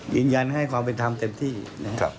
ยืนยันให้ความเป็นธรรมเต็มที่นะครับ